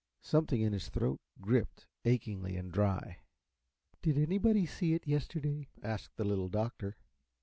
Something in his throat gripped, achingly and dry. "Did anybody see it yesterday?" asked the Little Doctor.